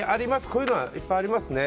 こういうのはいっぱいありますね。